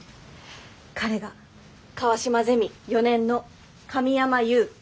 彼が川島ゼミ４年の神山祐。